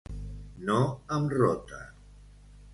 No em rota.